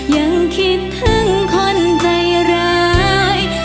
ยังคิดถึงคนใจร้าย